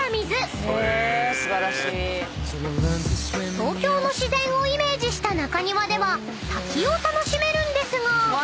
［東京の自然をイメージした中庭では滝を楽しめるんですが］